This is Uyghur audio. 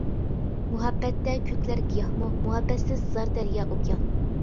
مۇھەببەتتە كۆكلەر گىياھمۇ، مۇھەببەتسىز زار دەريا-ئوكيان.